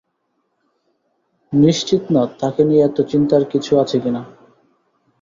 নিশ্চিত না তাকে নিয়ে এতো চিন্তার কিছু আছে কিনা।